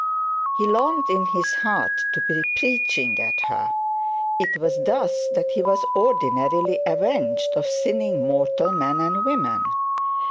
He longed in his heart to be preaching at her. 'Twas thus that he was ordinarily avenged of sinning mortal men and women.